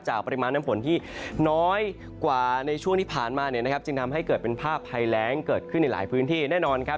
ปริมาณน้ำฝนที่น้อยกว่าในช่วงที่ผ่านมาเนี่ยนะครับจึงทำให้เกิดเป็นภาพภัยแรงเกิดขึ้นในหลายพื้นที่แน่นอนครับ